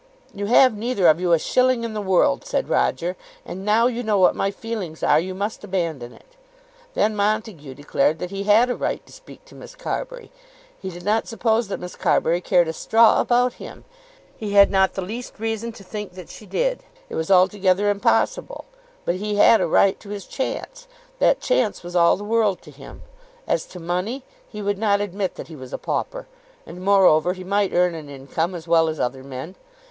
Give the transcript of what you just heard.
"You have neither of you a shilling in the world," said Roger; "and now you know what my feelings are you must abandon it." Then Montague declared that he had a right to speak to Miss Carbury. He did not suppose that Miss Carbury cared a straw about him. He had not the least reason to think that she did. It was altogether impossible. But he had a right to his chance. That chance was all the world to him. As to money, he would not admit that he was a pauper, and, moreover, he might earn an income as well as other men.